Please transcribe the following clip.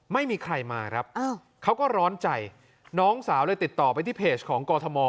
ไม่มีใครมาครับเขาก็ร้อนใจน้องสาวเลยติดต่อไปที่เพจของกรทม